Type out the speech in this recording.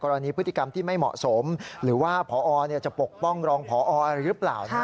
พฤติกรรมที่ไม่เหมาะสมหรือว่าพอจะปกป้องรองพออะไรหรือเปล่า